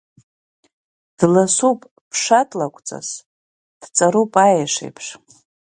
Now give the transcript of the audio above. Дласуп ԥшатлакәҵас, дҵаруп аеш еиԥш.